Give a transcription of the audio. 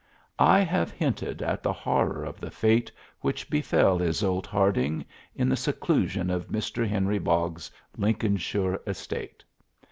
I have hinted at the horror of the fate which befell Yseult Hardynge in the seclusion of Mr. Henry Boggs's Lincolnshire estate.